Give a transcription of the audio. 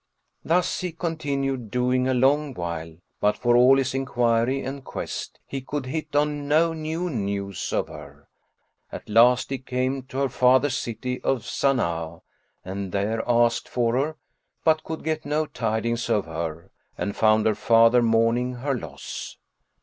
Thus he continued doing a long while; but, for all his enquiry and quest, he could hit on no new news of her. At last he came to her father's city of Sana'a and there asked for her, but could get no tidings of her and found her father mourning her loss.